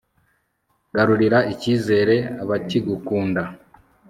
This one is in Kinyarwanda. garurira icyizere abakigukunda